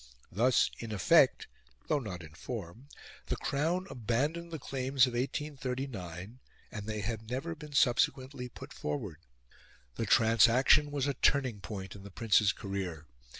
Thus, in effect, though not in form, the Crown abandoned the claims of 1839, and they have never been subsequently put forward. The transaction was a turning point in the Prince's career.